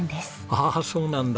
ああそうなんだ。